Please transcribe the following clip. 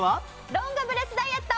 ロングブレスダイエット！